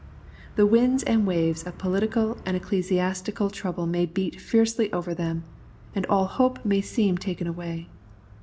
The winds and waves of political and ecclesiastical trouble may beat fiercely over them, and all hope may seem taken away.